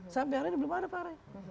sampai hari ini belum ada pak rey